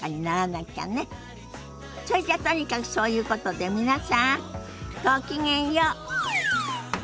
そいじゃとにかくそういうことで皆さんごきげんよう。